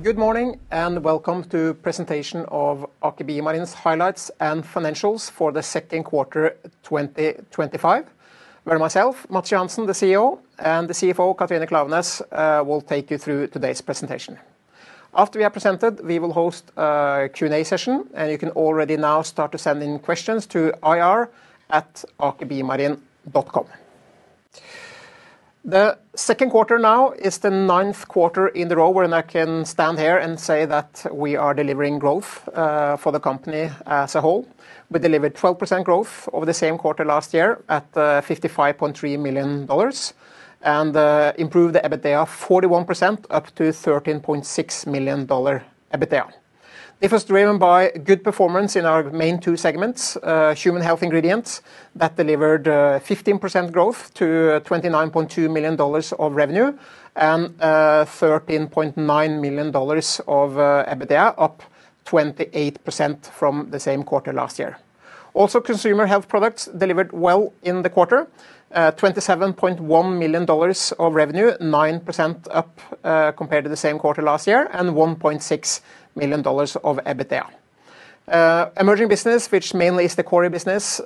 Good morning and welcome to the presentation of Aker BioMarine's highlights and financials for the second quarter 2025. We're myself, Matts Johansen, the CEO, and the CFO, Katrine Klaveness, will take you through today's presentation. After we are presented, we will host a Q&A session, and you can already now start to send in questions to ir@akerbiomarine.com. The second quarter now is the ninth quarter in a row where I can stand here and say that we are delivering growth for the company as a whole. We delivered 12% growth over the same quarter last year at $55.3 million and improved the EBITDA 41%, up to $13.6 million EBITDA. It was driven by good performance in our main two segments, Human Health Ingredients, that delivered 15% growth to $29.2 million of revenue and $13.9 million of EBITDA, up 28% from the same quarter last year. Also, Consumer Health Products delivered well in the quarter, $27.1 million of revenue, 9% up compared to the same quarter last year, and $1.6 million of EBITDA. Emerging Business, which mainly is the quarterly business,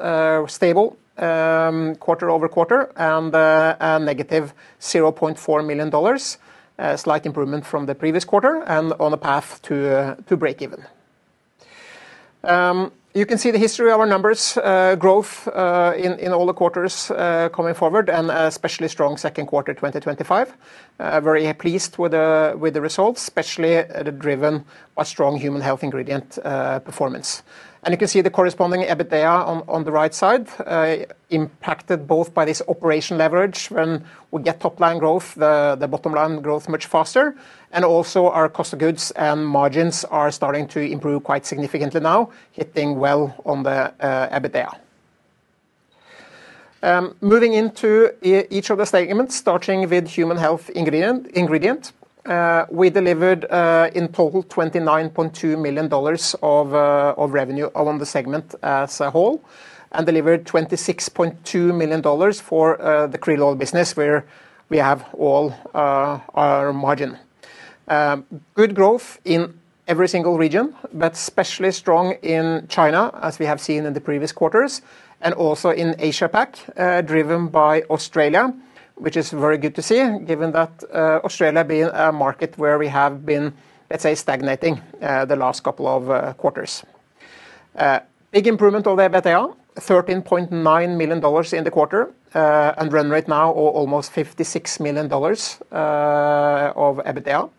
stable quarter over quarter and a negative $0.4 million. Slight improvement from the previous quarter and on a path to breakeven. You can see the history of our numbers, growth in all the quarters coming forward, and an especially strong second quarter 2025. Very pleased with the results, especially driven by strong Human Health Ingredient performance. You can see the corresponding EBITDA on the right side, impacted both by this operation leverage when we get top-line growth, the bottom-line growth much faster. Also, our cost of goods and margins are starting to improve quite significantly now, hitting well on the EBITDA. Moving into each of the segments, starting with Human Health Ingredient. We delivered in total $29.2 million of revenue along the segment as a whole and delivered $26.2 million for the krill oil business where we have all our margin. Good growth in every single region, but especially strong in China, as we have seen in the previous quarters, and also in Asia-Pac, driven by Australia, which is very good to see, given that Australia being a market where we have been, let's say, stagnating the last couple of quarters. Big improvement on the EBITDA, $13.9 million in the quarter, and run rate now almost $56 million of EBITDA.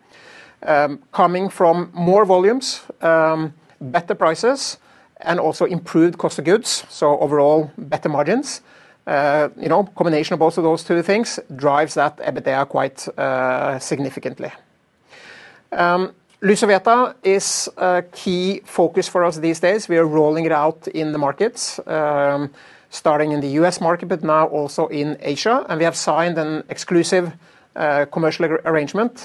Coming from more volumes, better prices, and also improved cost of goods. Overall, better margins. Combination of both of those two things drives that EBITDA quite significantly. LYSOVETA is a key focus for us these days. We are rolling it out in the markets, starting in the U.S. market, but now also in Asia. We have signed an exclusive commercial arrangement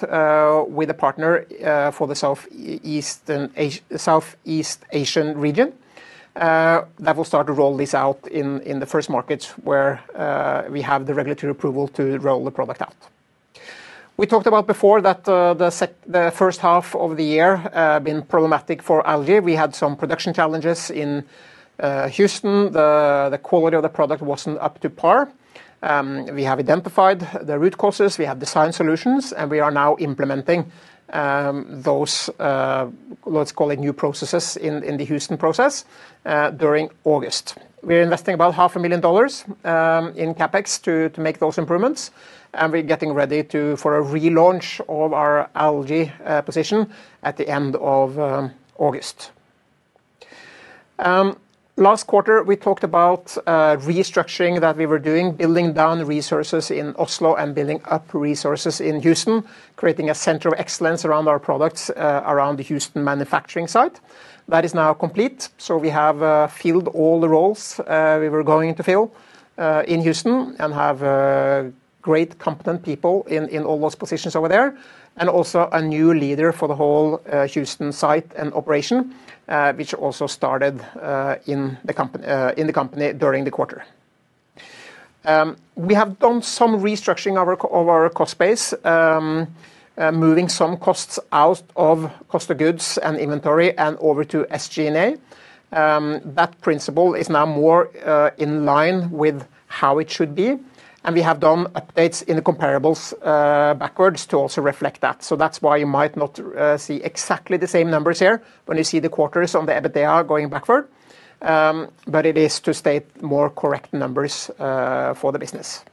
with a partner for the Southeast Asian region that will start to roll this out in the first markets where we have the regulatory approval to roll the product out. We talked about before that the first half of the year has been problematic for algae. We had some production challenges in Houston. The quality of the product wasn't up to par. We have identified the root causes, we have design solutions, and we are now implementing those. Let's call it new processes in the Houston process during August. We're investing about $0.5 million in CapEx to make those improvements, and we're getting ready for a relaunch of our algae position at the end of August. Last quarter, we talked about restructuring that we were doing, building down resources in Oslo and building up resources in Houston, creating a center of excellence around our products around the Houston manufacturing site. That is now complete. We have filled all the roles we were going to fill in Houston and have great competent people in all those positions over there, and also a new leader for the whole Houston site and operation, which also started in the company during the quarter. We have done some restructuring of our cost base, moving some costs out of cost of goods and inventory and over to SG&A. That principle is now more in line with how it should be, and we have done updates in the comparables backwards to also reflect that. That's why you might not see exactly the same numbers here when you see the quarters on the EBITDA going backward, but it is to state more correct numbers for the business.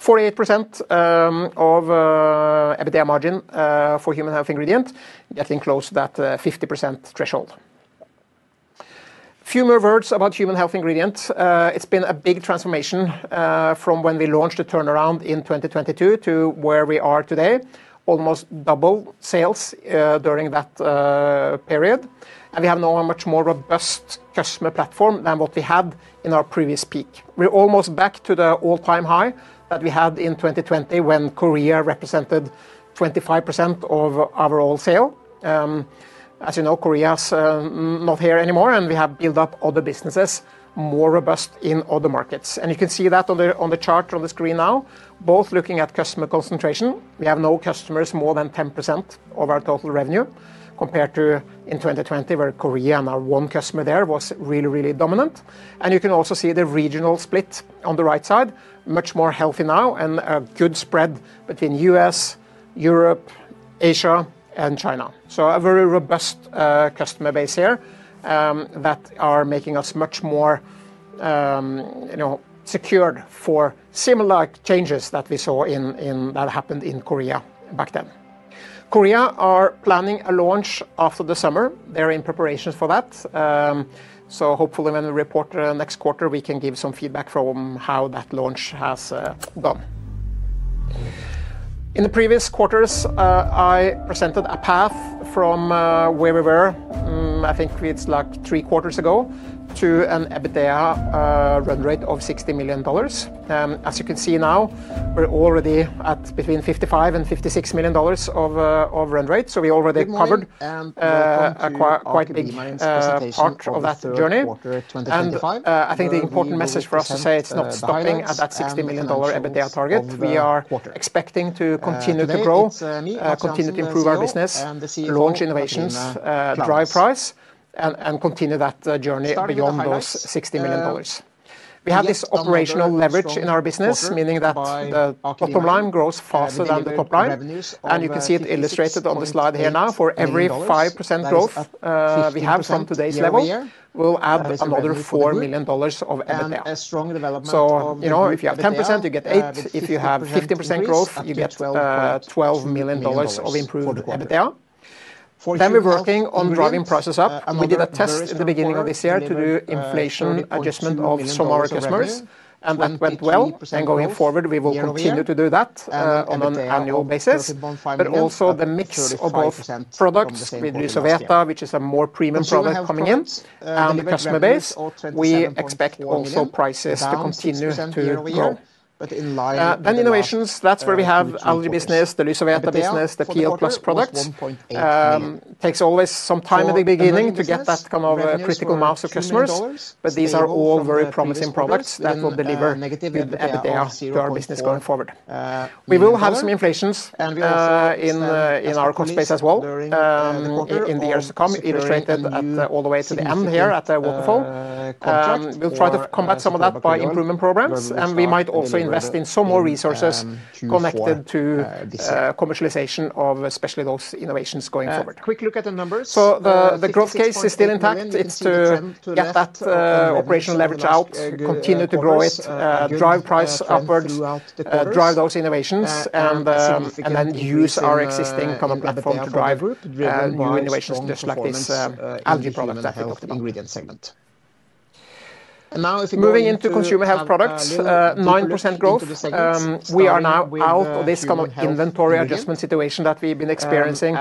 48% of EBITDA margin for Human Health Ingredients, getting close to that 50% threshold. A few more words about Human Health Ingredients. It's been a big transformation from when we launched the turnaround in 2022 to where we are today. Almost double sales during that period, and we have now a much more robust customer platform than what we had in our previous peak. We're almost back to the all-time high that we had in 2020 when Korea represented 25% of our all-sale. As you know, Korea's not here anymore, and we have built up other businesses more robust in other markets. You can see that on the chart on the screen now, both looking at customer concentration. We have no customers more than 10% of our total revenue compared to in 2020, where Korea and our one customer there was really, really dominant. You can also see the regional split on the right side, much more healthy now, and a good spread between the U.S., Europe, Asia, and China. A very robust customer base here that is making us much more secured for similar changes that we saw that happened in Korea back then. Korea is planning a launch after the summer. They're in preparations for that. Hopefully, when we report next quarter, we can give some feedback from how that launch has gone. In the previous quarters, I presented a path from where we were, I think it's like three quarters ago, to an EBITDA run rate of $60 million. As you can see now, we're already at between $55 and $56 million of run rate. We already covered quite a big part of that journey. I think the important message for us to say it's not stopping at that $60 million EBITDA target. We are expecting to continue to grow, continue to improve our business, launch innovations, drive price, and continue that journey beyond those $60 million. We have this operational leverage in our business, meaning that the bottom line grows faster than the top line. You can see it illustrated on the slide here now. For every 5% growth we have from today's level, we'll add another $4 million of EBITDA. If you have 10%, you get $8 million. If you have 15% growth, you get $12 million of improved EBITDA. We're working on driving prices up. We did a test at the beginning of this year to do inflation adjustment of some of our customers, and that went well. Going forward, we will continue to do that on an annual basis. Also, the mix of both products with LYSOVETA, which is a more premium product coming in, and the customer base, we expect also prices to continue to grow. Innovations, that's where we have algae business, the LYSOVETA business, the PL+ products. It takes always some time in the beginning to get that kind of critical mass of customers, but these are all very promising products that will deliver good EBITDA to our business going forward. We will have some inflations in our cost base as well in the years to come, illustrated all the way to the end here at the waterfall contract. We'll try to combat some of that by improvement programs. We might also invest in some more resources connected to commercialization of especially those innovations going forward. Quick look at the numbers. The growth case is still intact. It's to get that operational leverage out, continue to grow it, drive price upwards, drive those innovations, and then use our existing kind of platform to drive new innovations just like this algae product that we talked about. Moving into consumer health products, 9% growth. We are now out of this kind of inventory adjustment situation that we've been experiencing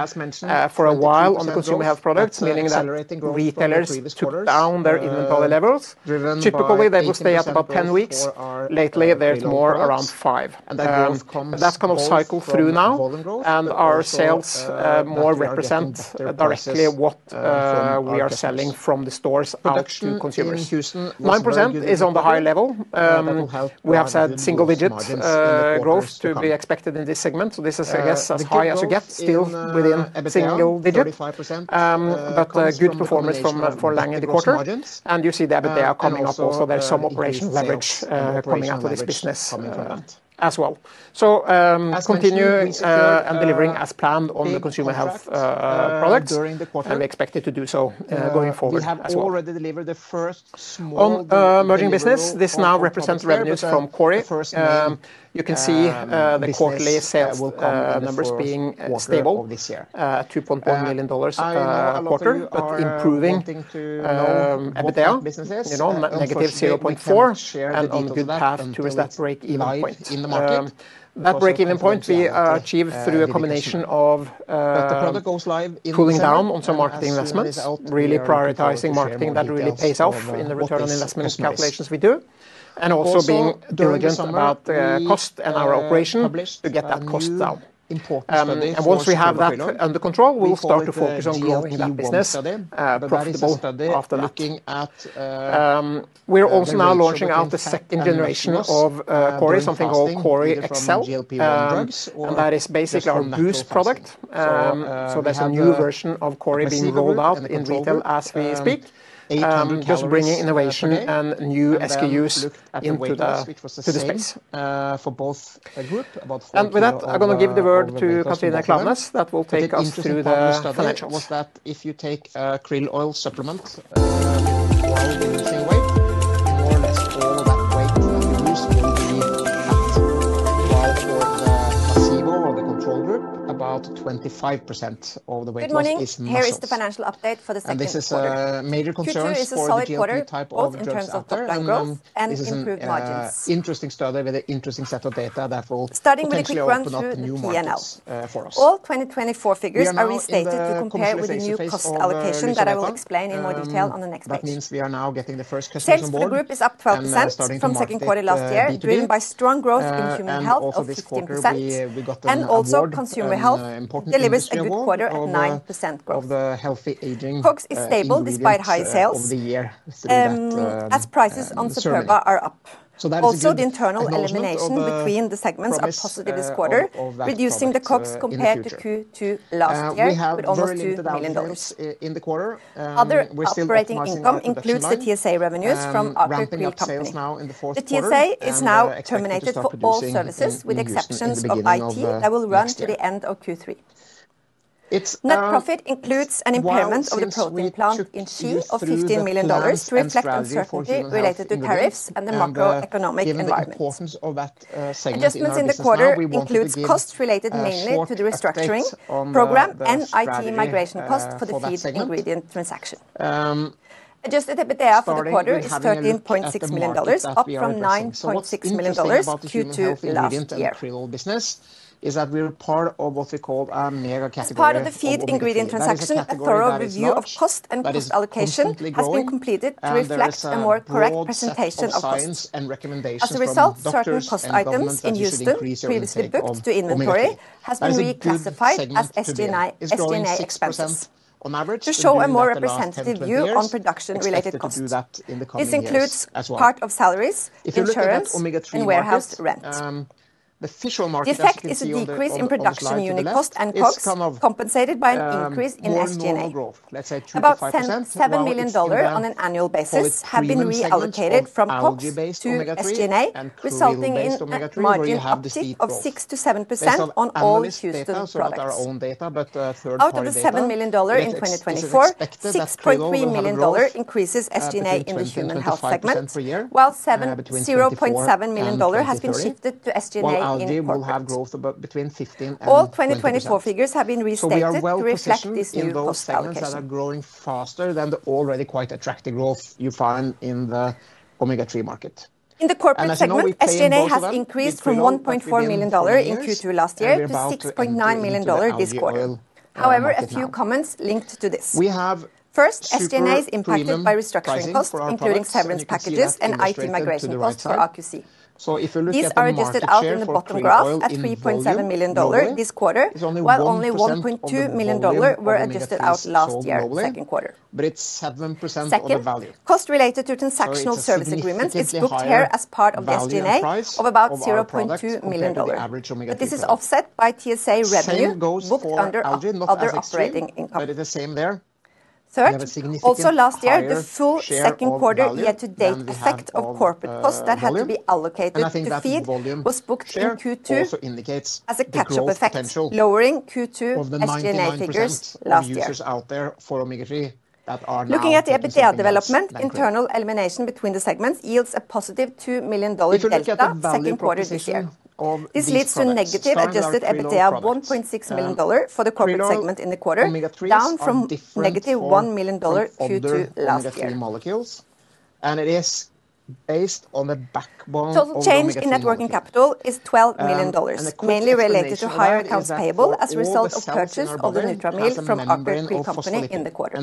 for a while on the consumer health products, meaning that retailers took down their inventory levels. Typically, they will stay at about 10 weeks. Lately, there's more around 5. That kind of cycled through now, and our sales more represent directly what we are selling from the stores out to consumers. 9% is on the high level. We have said single-digit growth to be expected in this segment. This is, I guess, as high as you get, still within single digit. Good performance for Lang in the quarter. You see the EBITDA coming up also. There's some operational leverage coming out of this business as well. Continue delivering as planned on the consumer health products, and we expect it to do so going forward as well. On emerging business, this now represents revenues from Kori. You can see the quarterly sales numbers being stable, $2.1 million a quarter, but improving. EBITDA, negative $0.4 million, and on a good path towards that break-even point in the market. That break-even point we achieve through a combination of cooling down on some marketing investments, really prioritizing marketing that really pays off in the return on investment calculations we do, and also being diligent about cost and our operation to get that cost down. Once we have that under control, we'll start to focus on growing that business, profitable after looking at. We're also now launching out the second generation of Kori, something called Kori [XL]. That is basically our boost product. There's a new version of Kori being rolled out in retail as we speak, just bringing innovation and new SKUs into the space. With that, I'm going to give the word to Katrine Klaveness that will take us through the financials. If you take a krill oil supplement for the wild using weight, more or less all of that weight that you use will be mapped. While for the placebo or the control group, about 25% of the weight is mass. Here is the financial update for the second quarter. Major concerns is a solid quarter in terms of work and improved margins. Interesting study with an interesting set of data that will start with a quick run through the P&L for us. All 2024 figures are restated to compare with the new cost allocation that I will explain in more detail on the next page. That means we are now getting the first customer ball. The group is up 12% from second quarter last year, driven by strong growth in human health of 15%. Also, consumer health delivers a good quarter at 9% growth. COGS is stable despite high sales, as prices on Superba are up. Also, the internal elimination between the segments are positive this quarter, reducing the COGS compared to Q2 last year with almost $2 million. Other operating income includes the TSA revenues from our krill company. The TSA is now terminated for all services with exceptions of IT that will run to the end of Q3. Net profit includes an impairment of the protein plant in C of $15 million to reflect uncertainty related to tariffs and the macroeconomic environment. Adjustments in the quarter include costs related mainly to the restructuring program and IT migration costs for the feed ingredient transaction. Adjusted EBITDA for the quarter is $13.6 million, up from $9.6 million Q2 last year. Is that we're part of what we call a mega category. As part of the feed ingredient transaction, a thorough review of cost and cost allocation has been completed to reflect a more correct presentation of costs. As a result, certain cost items in Houston previously booked to inventory have been reclassified as SG&A expenses to show a more representative view on production-related costs. This includes part of salaries, insurance, and warehouse rent. The effect is a decrease in production unit cost and COGS compensated by an increase in SG&A. About $7 million on an annual basis have been reallocated from COGS to SG&A, resulting in a margin uptick of 6% to 7% on all Houston products. Out of the $7 million in 2024, $6.3 million increases SG&A in the human health segment, while $7.7 million has been shifted to SG&A in corporate. All 2024 figures have been restated to reflect this new cost allocation. Than the already quite attractive growth you find in the omega-3 market. In the corporate segment, SG&A has increased from $1.4 million in Q2 last year to $6.9 million this quarter. However, a few comments linked to this. First, SG&A is impacted by restructuring costs, including severance packages and IT migration costs for RQC. These are adjusted out in the bottom graph at $3.7 million this quarter, while only $1.2 million were adjusted out last year, second quarter. Second, cost related to transactional service agreements is booked here as part of the SG&A of about $0.2 million. This is offset by TSA revenue booked under other operating income. Third, also last year, the full second quarter year-to-date effect of corporate costs that had to be allocated to feed was booked in Q2 as a catch-up effect, lowering Q2 SG&A figures last year. Looking at the EBITDA development, internal elimination between the segments yields a positive $2 million delta second quarter this year. This leads to a negative Adjusted EBITDA of $1.6 million for the corporate segment in the quarter, down from negative $1 million Q2 last year. Total change in net working capital is $12 million, mainly related to higher accounts payable as a result of purchase of the nutra meal from Aker QRILL Company in the quarter.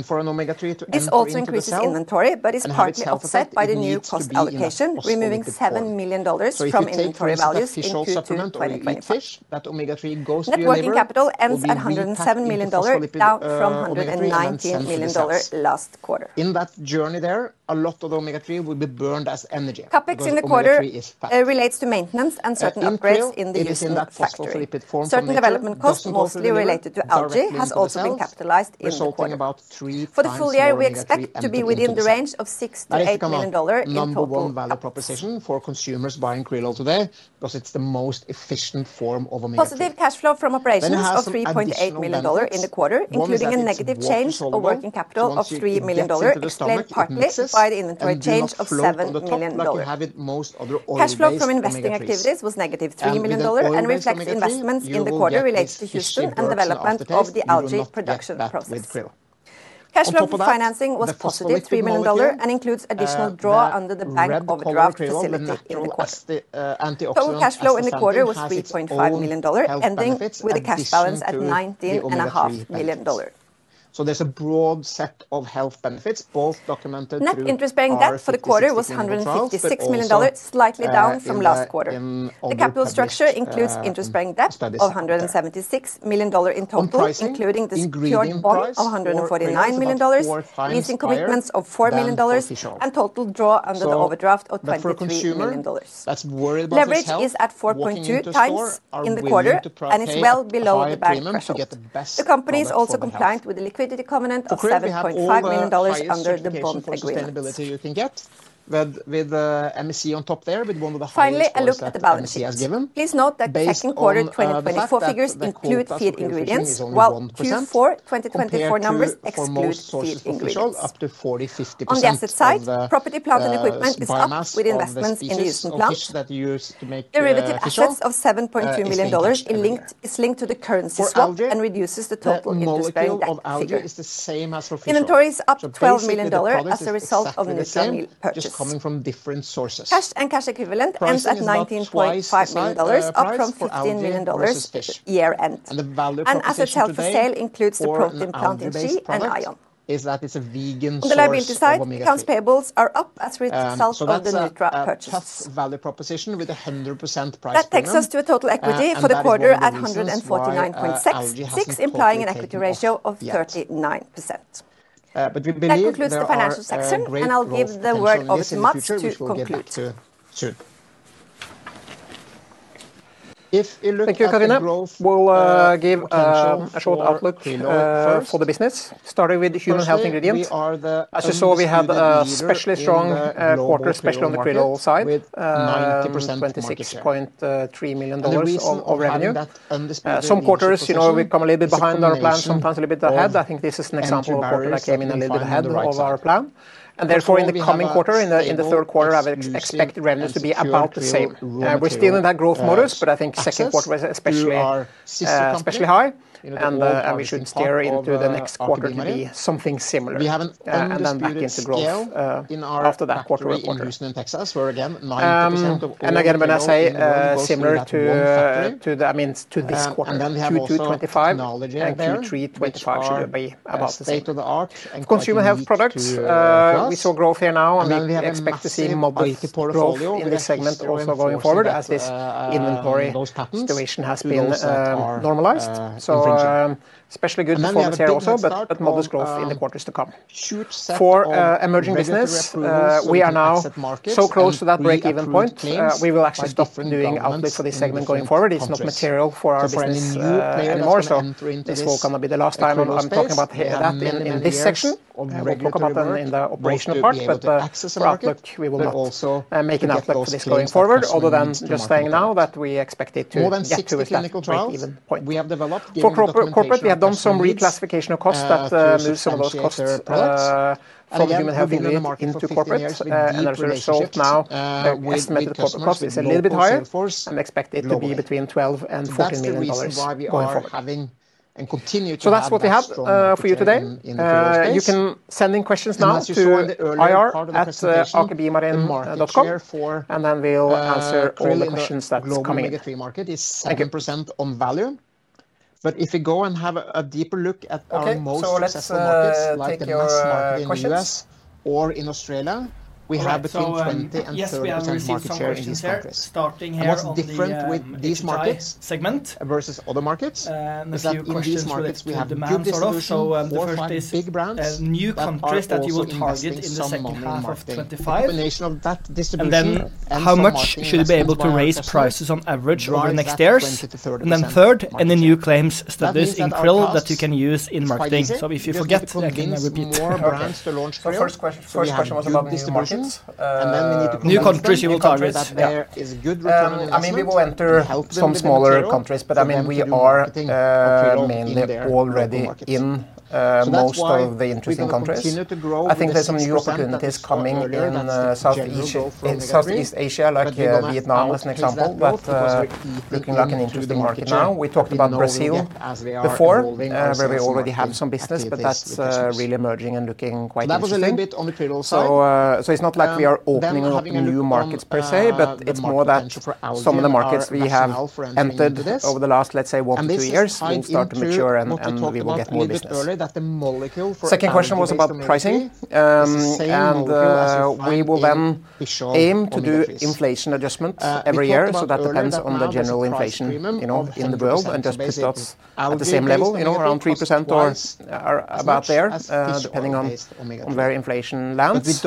This also increases inventory, but is partly offset by the new cost allocation, removing $7 million from inventory values in Q2 2024. Net working capital ends at $107 million, down from $119 million last quarter. In that journey there, a lot of the omega-3 will be burned as energy. CapEx in the quarter relates to maintenance and certain upgrades in the Houston factory. Certain development costs, mostly related to algae, have also been capitalized in the quarter. For the full year, we expect to be within the range of $6 million-$8 million in total. For consumers buying krill today, because it's the most efficient form of omega-3. Positive cash flow from operations of $3.8 million in the quarter, including a negative change of working capital of $3 million, played partly by the inventory change of $7 million. Cash flow from investing activities was negative $3 million and reflects investments in the quarter related to Houston and development of the algae production process. Cash flow for financing was positive $3 million and includes additional draw under the bank overdraft facility in the quarter. Total cash flow in the quarter was $3.5 million, ending with a cash balance at $19.5 million. There is a broad set of health benefits. Net interest-bearing debt for the quarter was $166 million, slightly down from last quarter. The capital structure includes interest-bearing debt of $176 million in total, including the secured bond of $149 million, leasing commitments of $4 million, and total draw under the overdraft of $23 million. Leverage is at 4.2 times in the quarter and is well below the bank pressure. The company is also compliant with the liquidity covenant of $7.5 million under the bond agreement. Finally, a look at the balance sheet. Please note that second quarter 2024 figures include feed ingredients, while Q4 2024 numbers exclude feed ingredients. On the asset side, property, plant, and equipment is up with investments in the Houston plant. Derivative assets of $7.2 million is linked to the currency swap and reduces the total interest-bearing debt figure. Inventory is up $12 million as a result of nutra meal purchase. Cash and cash equivalent ends at $19.5 million, up from $15 million year-end. Assets held for sale include the protein plant in C and ion. On the liability side, accounts payables are up as itself of the nutra purchase. That takes us to a total equity for the quarter at $149.6 million, implying an equity ratio of 39%. That concludes the financial section, and I'll give the word to Matts to conclude. Thank you, Katrine. We'll give a short outlook for the business, starting with the Human Health Ingredients. As you saw, we had an especially strong quarter, especially on the krill side, with 90%, $26.3 million of revenue. Some quarters, you know, we come a little bit behind our plan, sometimes a little bit ahead. I think this is an example of a quarter that came in a little bit ahead of our plan. Therefore, in the coming quarter, in the third quarter, I would expect revenues to be about the same. We're still in that growth modus, but I think second quarter was especially high, and we should steer into the next quarter to be something similar. Back into growth after that quarter. We're in Texas, where again, 90% of. When I say similar to, I mean to this quarter, Q2 2025 and Q3 2025 should be about the same. Consumer health products, we saw growth here now. I mean, we expect to see more growth in this segment also going forward as this inventory situation has been normalized. Especially good performance here also, but modest growth in the quarters to come. For emerging business, we are now so close to that break-even point. We will actually stop doing outlook for this segment going forward. It's not material for our business anymore. This will kind of be the last time I'm talking about that in this section. We'll talk about them in the operational part, but for outlook, we will not make an outlook for this going forward, other than just saying now that we expect it to get to a break-even point. For corporate, we have done some reclassification of costs that moves some of those costs from Human Health Ingredients into corporate. As a result, now the estimated corporate cost is a little bit higher and expect it to be between $12 million and $14 million going forward. That's what we have for you today. You can send in questions now to ir@akerbiomarine.com, and then we'll answer all the questions that are coming in. Thank you. If we go and have a deeper look at our most successful markets, like the mass market in the U.S. or in Australia, we have between 20% and 30% market share in these countries. What's different with these markets versus other markets is that in these markets we have two discounts. The first is big brands, new countries that you will target in the second half of 2025. Then how much should be able to raise prices on average over the next years. Third, any new claims that there's in krill that you can use in marketing. If you forget, I can repeat. The first question was about these markets. We need to go to new countries you will target. I mean, we will enter some smaller countries, but we are mainly already in most of the interesting countries. I think there's some new opportunities coming in Southeast Asia, like Vietnam as an example, looking like an interesting market now. We talked about Brazil before, where we already have some business, but that's really emerging and looking quite interesting. It's not like we are opening up new markets per se, but it's more that some of the markets we have entered over the last, let's say, one or two years will start to mature and we will get more business. Second question was about pricing. We will then aim to do inflation adjustments every year. That depends on the general inflation in the world and just puts us at the same level, around 3% or about there, depending on where inflation lands,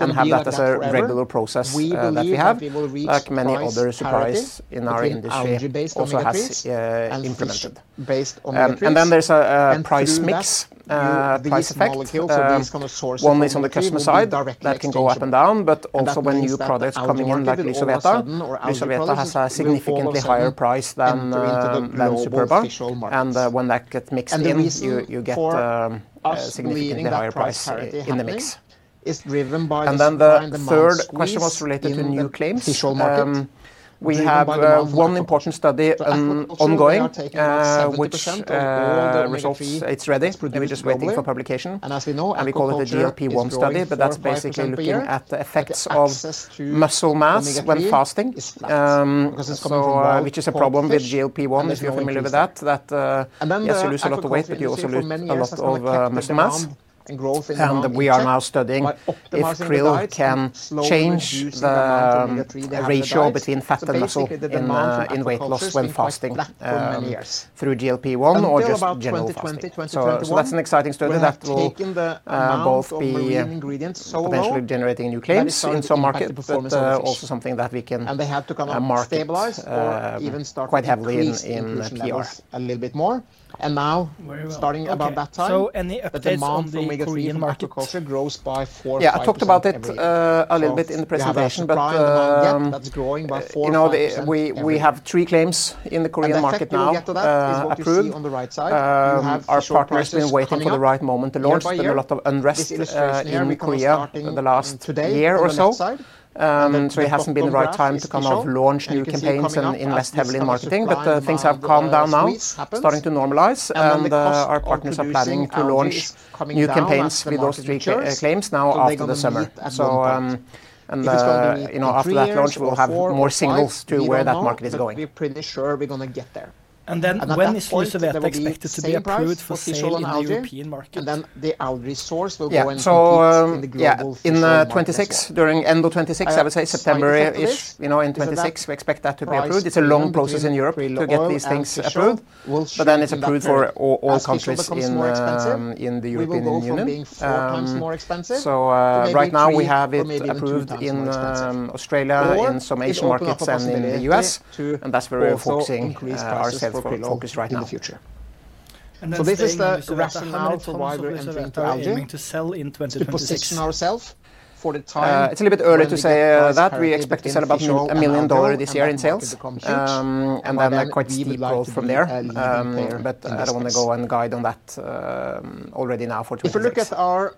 and have that as a regular process that we have, like many other suppliers in our industry also have implemented. Then there's a price mix, price effect. One is on the customer side that can go up and down, but also when new products are coming in, like LYSOVETA. LYSOVETA has a significantly higher price than Superba. When that gets mixed in, you get a significantly higher price in the mix. The third question was related to new claims. We have one important study ongoing, which results are ready. We're just waiting for publication. We call it the GLP-1 study, but that's basically looking at the effects of muscle mass when fasting, which is a problem with GLP-1, if you're familiar with that, that you lose a lot of weight, but you also lose a lot of muscle mass. We are now studying if krill can change the ratio between fat and muscle in weight loss when fasting for many years through GLP-1 or just general fasting. That's an exciting study that will both be potentially generating new claims in some markets, but also something that we can market quite heavily in PR. Starting about that time, the demand for Korean market culture grows by four. I talked about it a little bit in the presentation, but that's growing by four. We have three claims in the Korean market now approved. Our partner has been waiting for the right moment to launch. There's been a lot of unrest in Korea in the last year or so. It hasn't been the right time to launch new campaigns and invest heavily in marketing, but things have calmed down now, starting to normalize, and our partners are planning to launch new campaigns with those three claims now after the summer. After that launch, we'll have more signals to where that market is going. When is LYSOVETA expected to be approved for sale in the European market? The outreach source will go into the global field in 2026. During end of 2026, I would say September in 2026, we expect that to be approved. It's a long process in Europe to get these things approved, but then it's approved for all countries in the European Union. Right now we have it approved in Australia, in some Asian markets, and in the U.S., and that's where we're focusing our sales focus right now. This is the rough amount of why we're entering into algae. It's a little bit early to say that. We expect to sell about $1 million this year in sales and then a quite steep growth from there, but I don't want to go and guide on that already now. If we look at our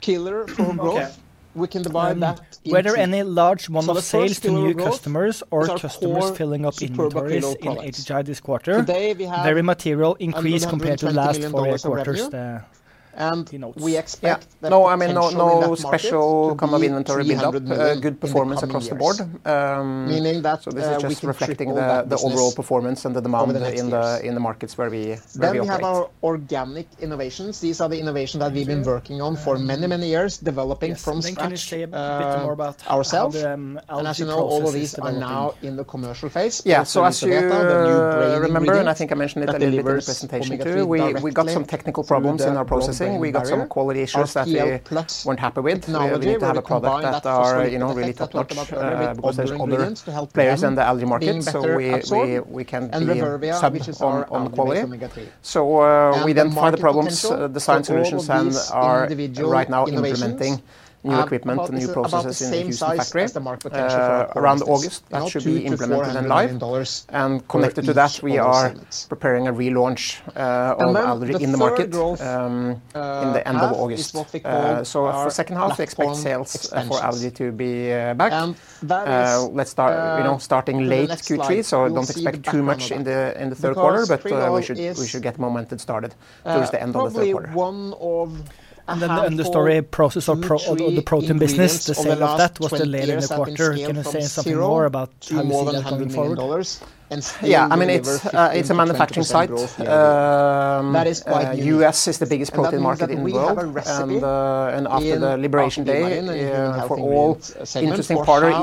killer for growth, we can divide that. Were there any large monthly sales to new customers or customers filling up inventory in HGI this quarter? Very material increase compared to the last four quarters. We expect that. No, I mean, no special kind of inventory behind good performance across the board. This is just reflecting the overall performance and the demand in the markets where we operate. These are the innovations that we've been working on for many, many years, developing from scratch. As you know, all of these are now in the commercial phase. Yeah, as you remember, and I think I mentioned it a little bit in the presentation too, we got some technical problems in our processing. We got some quality issues that we weren't happy with. Now we need to have a product that is really top-notch because there are other players in the algae market. We can be subject on quality. We identify the problems, design solutions, and are right now implementing new equipment and new processes in the Houston factory. Potentially around August, that should be implemented and live. Connected to that, we are preparing a relaunch of algae in the market at the end of August. For the second half, we expect sales for algae to be back, starting late Q3. I don't expect too much in the third quarter, but we should get momentum started towards the end of the third quarter. The story process of the protein business, the sale of that was delayed in the quarter. Can you say something more about how you see that happening forward? I mean, it's a manufacturing site. The U.S. is the biggest protein market in the world. After the liberation day, for all interesting partners,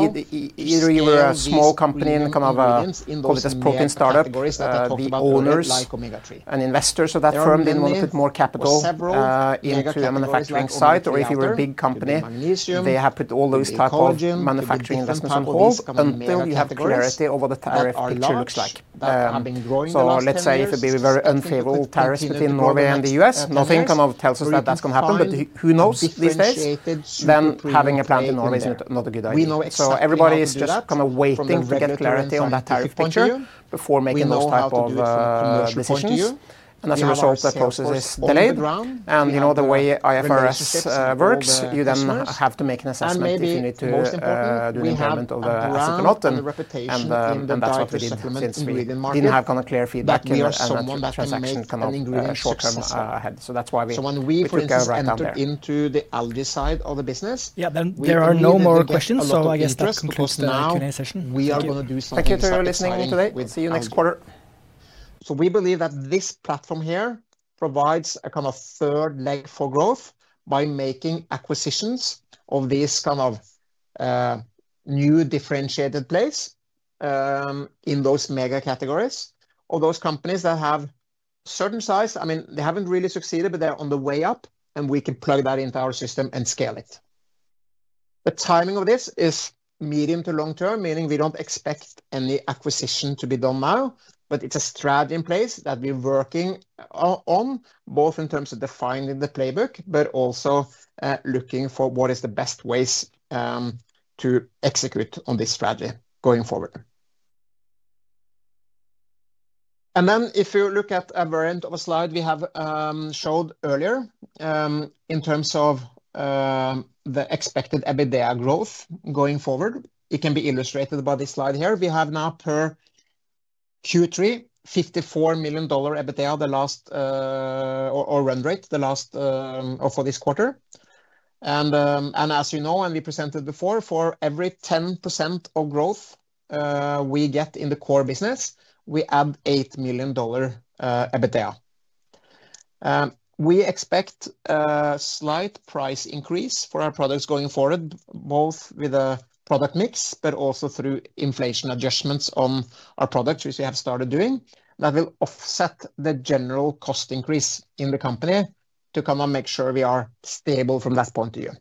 either you were a small company and kind of a protein startup, the owners and investors of that firm didn't want to put more capital into a manufacturing site. If you were a big company, they have put all those types of manufacturing investments on hold until you have clarity of what the tariff picture looks like. Let's say if it would be very unfavorable tariffs between Norway and the U.S., nothing kind of tells us that that's going to happen, but who knows these days? Having a plant in Norway is not a good idea. Everybody is just kind of waiting to get clarity on that tariff picture before making those types of decisions. As a result, that process is delayed. The way IFRS works, you then have to make an assessment if you need to do the impairment of the asset or not. That's what we did since we didn't have kind of clear feedback and transaction kind of short term ahead. That's why we took a route down there. There are no more questions, so I guess that concludes the session. Thank you for listening today. See you next quarter. We believe that this platform here provides a kind of third leg for growth by making acquisitions of these kind of new differentiated plays in those mega categories of those companies that have certain size. I mean, they haven't really succeeded, but they're on the way up, and we can plug that into our system and scale it. The timing of this is medium to long term, meaning we don't expect any acquisition to be done now, but it's a strategy in place that we're working on, both in terms of defining the playbook, but also looking for what is the best ways to execute on this strategy going forward. If you look at a variant of a slide we have showed earlier in terms of the expected EBITDA growth going forward, it can be illustrated by this slide here. We have now, per Q3, $54 million EBITDA run rate for this quarter. As you know, and we presented before, for every 10% of growth we get in the core business, we add $8 million EBITDA. We expect a slight price increase for our products going forward, both with a product mix, but also through inflation adjustments on our products, which we have started doing, that will offset the general cost increase in the company to kind of make sure we are stable from that point of view.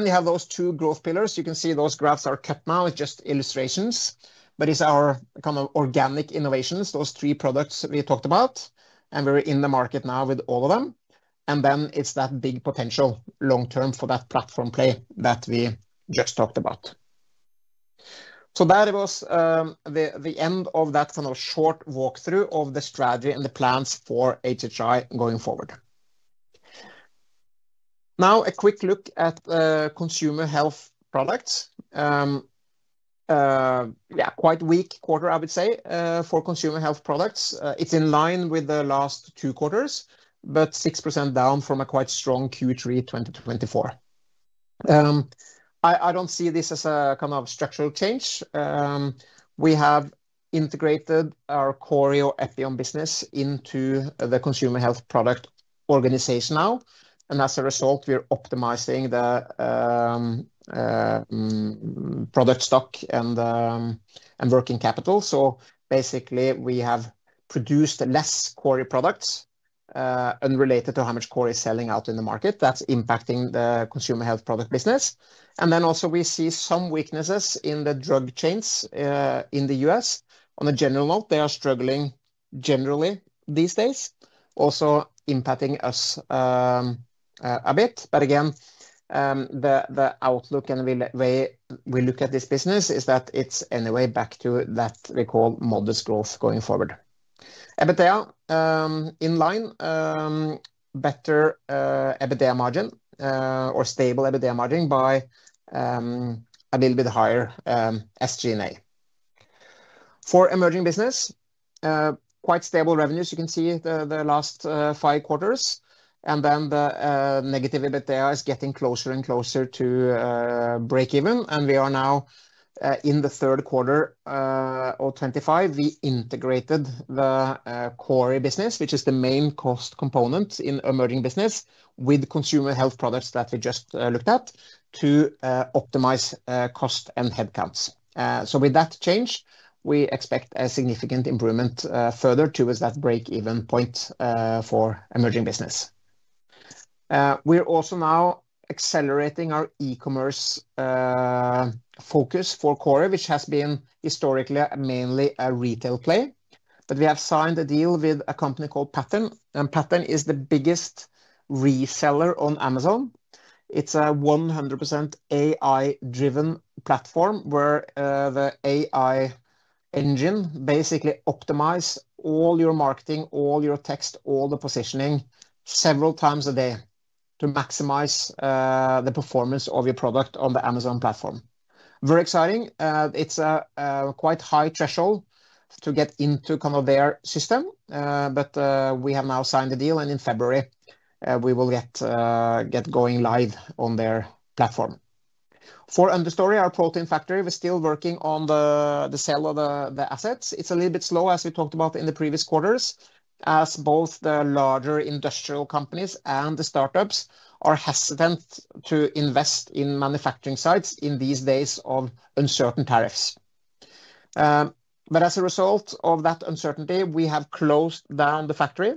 We have those two growth pillars. You can see those graphs are cut now. It's just illustrations. It's our kind of organic innovations, those three products we talked about, and we're in the market now with all of them. Then it's that big potential long term for that platform play that we just talked about. That was the end of that kind of short walkthrough of the strategy and the plans for HHI going forward. Now, a quick look at consumer health products. Quite weak quarter, I would say, for consumer health products. It's in line with the last two quarters, but 6% down from a quite strong Q3 2024. I don't see this as a kind of structural change. We have integrated our core EPIOM business into the consumer health product organization now, and as a result, we're optimizing the product stock and working capital. Basically, we have produced less core products. Unrelated to how much Kori is selling out in the market. That's impacting the consumer health product business. We see some weaknesses in the drug chains in the U.S. On a general note, they are struggling generally these days, also impacting us a bit. The outlook and the way we look at this business is that it's anyway back to what we call modest growth going forward. EBITDA in line, better EBITDA margin or stable EBITDA margin by a little bit higher SG&A. For emerging business, quite stable revenues. You can see the last five quarters, and the negative EBITDA is getting closer and closer to break even. We are now in the third quarter of 2025. We integrated the Kori business, which is the main cost component in emerging business, with consumer health products that we just looked at, to optimize cost and headcounts. With that change, we expect a significant improvement further towards that break-even point for emerging business. We're also now accelerating our e-commerce focus for Kori, which has been historically mainly a retail play. We have signed a deal with a company called Pattern. Pattern is the biggest reseller on Amazon. It's a 100% AI-driven platform where the AI engine basically optimizes all your marketing, all your text, all the positioning several times a day to maximize the performance of your product on the Amazon platform. Very exciting. It's a quite high threshold to get into their system, but we have now signed a deal, and in February, we will get going live on their platform. For Understory, our protein factory, we're still working on the sale of the assets. It's a little bit slow, as we talked about in the previous quarters, as both the larger industrial companies and the startups are hesitant to invest in manufacturing sites in these days of uncertain tariffs. As a result of that uncertainty, we have closed down the factory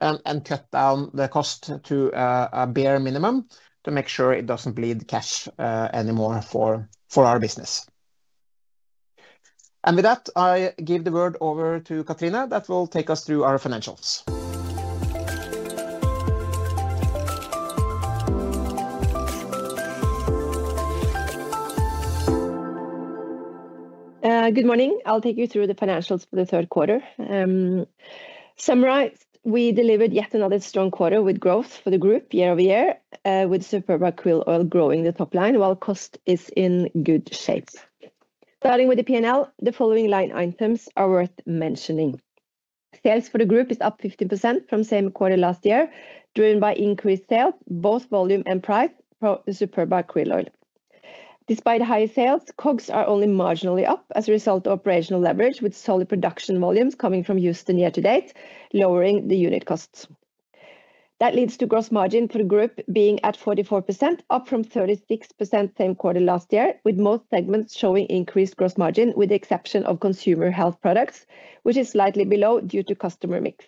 and cut down the cost to a bare minimum to make sure it doesn't bleed cash anymore for our business. With that, I give the word over to Katrine that will take us through our financials. Good morning. I'll take you through the financials for the third quarter. Summarized, we delivered yet another strong quarter with growth for the group year over year, with Superba Krill Oil growing the top line while cost is in good shape. Starting with the P&L, the following line items are worth mentioning. Sales for the group is up 15% from same quarter last year, driven by increased sales, both volume and price for the Superba Krill Oil. Despite high sales, COGS are only marginally up as a result of operational leverage, with solid production volumes coming from Houston year to date, lowering the unit costs. That leads to gross margin for the group being at 44%, up from 36% same quarter last year, with most segments showing increased gross margin with the exception of consumer health products, which is slightly below due to customer mix.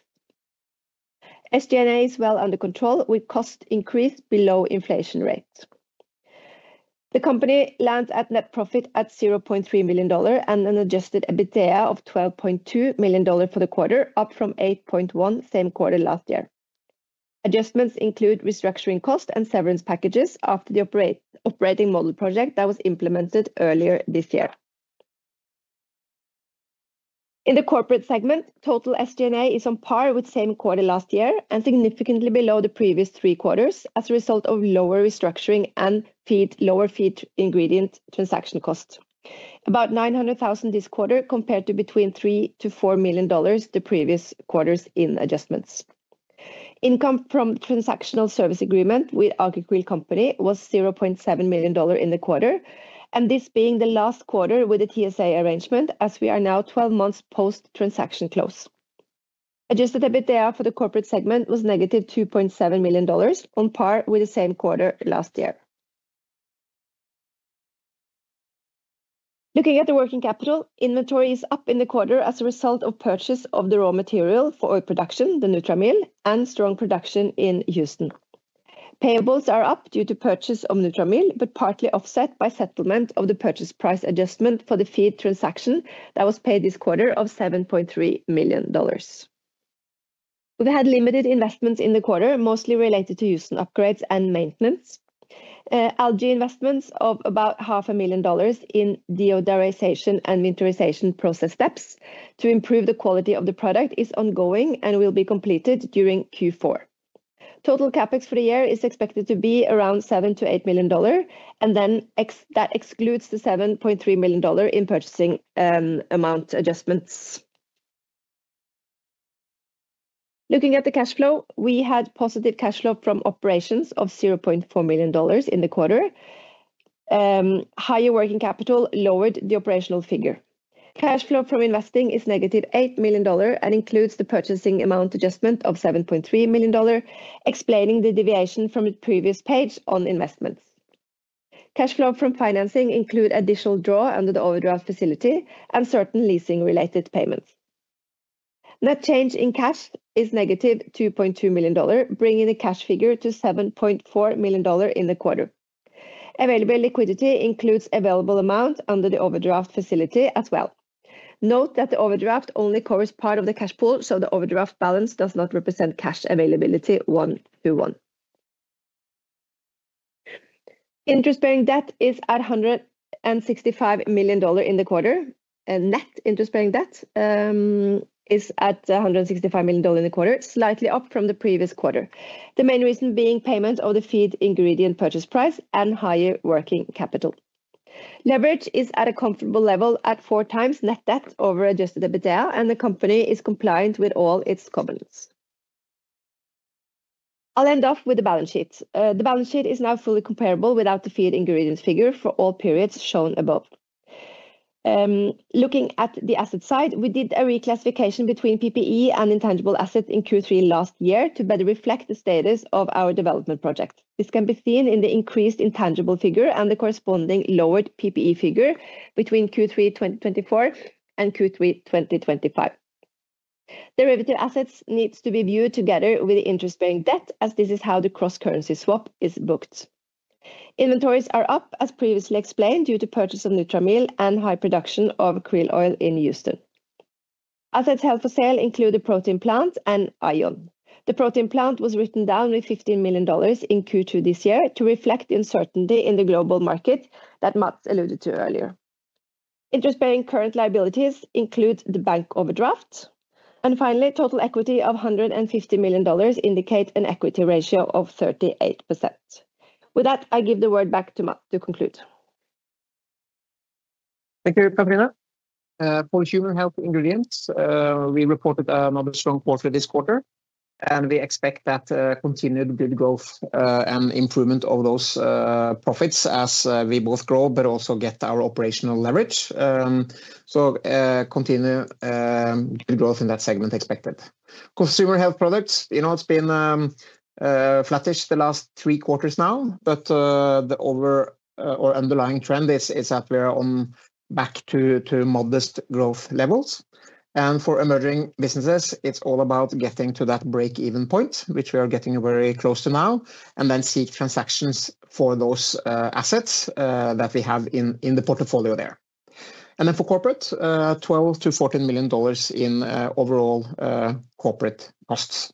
SG&A is well under control with cost increase below inflation rate. The company lands at net profit at $0.3 million and an Adjusted EBITDA of $12.2 million for the quarter, up from $8.1 million same quarter last year. Adjustments include restructuring cost and severance packages after the operating model project that was implemented earlier this year. In the corporate segment, total SG&A is on par with same quarter last year and significantly below the previous three quarters as a result of lower restructuring and lower feed ingredient transaction costs. About $900,000 this quarter compared to between $3 million-$4 million the previous quarters in adjustments. Income from transactional service agreement with Aker QRILL Company was $0.7 million in the quarter, and this being the last quarter with a TSA arrangement as we are now 12 months post transaction close. Adjusted EBITDA for the corporate segment was negative $2.7 million, on par with the same quarter last year. Looking at the working capital, inventory is up in the quarter as a result of purchase of the raw material for oil production, the nutra meal, and strong production in Houston. Payables are up due to purchase of nutra meal, but partly offset by settlement of the purchase price adjustment for the feed transaction that was paid this quarter of $7.3 million. We had limited investments in the quarter, mostly related to Houston upgrades and maintenance. algae investments of about half a million dollars in deodorization and mineralization process steps to improve the quality of the product are ongoing and will be completed during Q4. Total CapEx for the year is expected to be around $7 million-$8 million, and that excludes the $7.3 million in purchasing amount adjustments. Looking at the cash flow, we had positive cash flow from operations of $0.4 million in the quarter. Higher working capital lowered the operational figure. Cash flow from investing is negative $8 million and includes the purchasing amount adjustment of $7.3 million, explaining the deviation from the previous page on investments. Cash flow from financing includes additional draw under the overdraft facility and certain leasing-related payments. Net change in cash is negative $2.2 million, bringing the cash figure to $7.4 million in the quarter. Available liquidity includes available amount under the overdraft facility as well. Note that the overdraft only covers part of the cash pool, so the overdraft balance does not represent cash availability one to one. Interest-bearing debt is at $165 million in the quarter. Net interest-bearing debt is at $165 million in the quarter, slightly up from the previous quarter. The main reason being payment of the feed ingredient purchase price and higher working capital. Leverage is at a comfortable level at 4 times net debt over Adjusted EBITDA, and the company is compliant with all its components. I'll end off with the balance sheet. The balance sheet is now fully comparable without the feed ingredients figure for all periods shown above. Looking at the asset side, we did a reclassification between PPE and intangible assets in Q3 2024 last year to better reflect the status of our development project. This can be seen in the increased intangible figure and the corresponding lowered PPE figure between Q3 2024 and Q3 2025. Derivative assets need to be viewed together with interest-bearing debt, as this is how the cross-currency swap is booked. Inventories are up, as previously explained, due to purchase of nutra meal and high production of krill oil in Houston. Assets held for sale include the protein plant and Ion. The protein plant was written down with $15 million in Q2 this year to reflect uncertainty in the global market that Matt alluded to earlier. Interest-bearing current liabilities include the bank overdraft. Finally, total equity of $150 million indicates an equity ratio of 38%. With that, I give the word back to Matt to conclude. Thank you, Katrine. For Human Health Ingredients, we reported another strong quarter this quarter, and we expect that continued good growth and improvement of those profits as we both grow, but also get our operational leverage. Continue good growth in that segment expected. Consumer health products, you know, it's been. Flattish the last three quarters now, but the overall underlying trend is that we're on back to modest growth levels. For emerging businesses, it's all about getting to that break-even point, which we are getting very close to now, and then seek transactions for those assets that we have in the portfolio there. For corporate, $12 million-$14 million in overall corporate costs.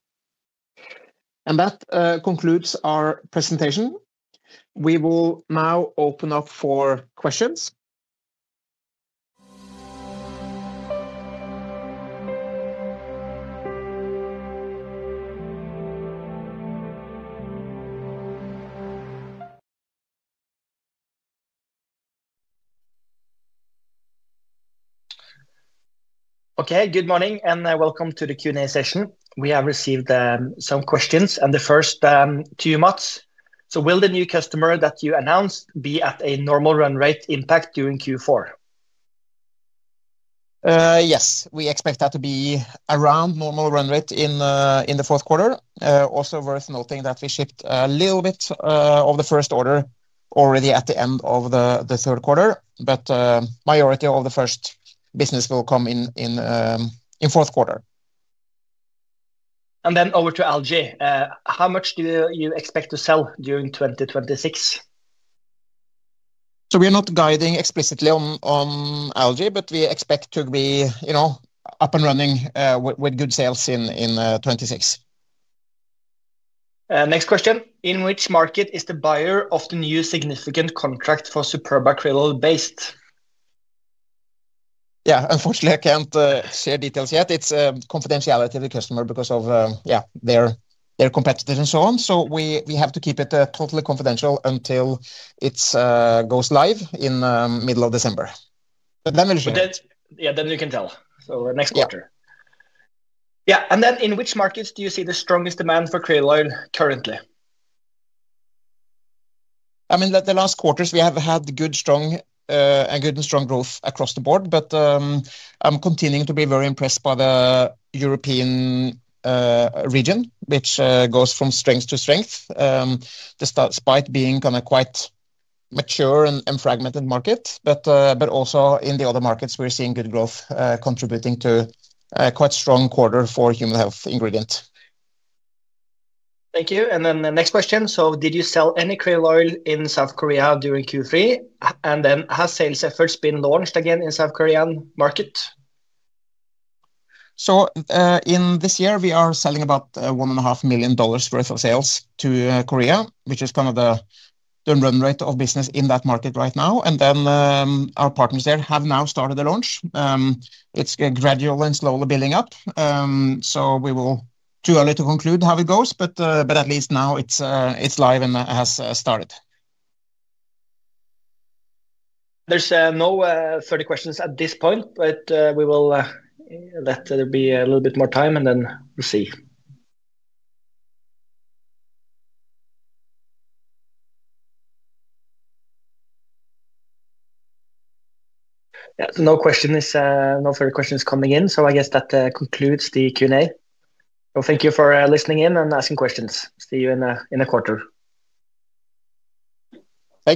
That concludes our presentation. We will now open up for questions. Okay, good morning and welcome to the Q&A session. We have received some questions, and the first to you, Matt. Will the new customer that you announced be at a normal run rate impact during Q4? Yes, we expect that to be around normal run rate in the fourth quarter. Also worth noting that we shipped a little bit of the first order already at the end of the third quarter, but the majority of the first business will come in the fourth quarter. Over to algae. How much do you expect to sell during 2026? We're not guiding explicitly on algae, but we expect to be up and running with good sales in 2026. Next question. In which market is the buyer of the new significant contract for Superba krill oil based? Unfortunately, I can't share details yet. It's confidentiality of the customer because of their competitors and so on. We have to keep it totally confidential until it goes live in the middle of December. Then we'll share. Then we can tell. Next quarter. In which markets do you see the strongest demand for krill oil currently? The last quarters, we have had good and strong growth across the board. I'm continuing to be very impressed by the European region, which goes from strength to strength, despite being quite a mature and fragmented market. Also, in the other markets, we're seeing good growth contributing to a quite strong quarter for Human Health Ingredients. Thank you. Next question. Did you sell any krill oil in South Korea during Q3? Has sales efforts been launched again in the South Korean market? In this year, we are selling about $1.5 million worth of sales to Korea, which is the run rate of business in that market right now. Our partners there have now started a launch. It's gradual and slowly building up. It's too early to conclude how it goes, but at least now it's live and has started. There's no further questions at this point, but we will. Let there be a little bit more time and then we'll see. Yeah, no further questions coming in. I guess that concludes the Q&A. Thank you for listening in and asking questions. See you in a quarter. Thanks.